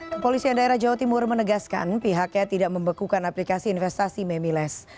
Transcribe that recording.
kepolisian daerah jawa timur menegaskan pihaknya tidak membekukan aplikasi investasi memiles